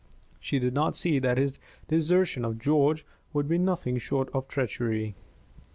She did not see that his desertion of George would be nothing short of treachery.